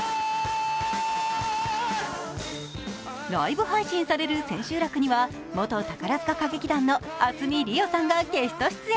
ライブ配信される千秋楽には、元宝塚歌劇団の明日海りおさんがゲスト出演。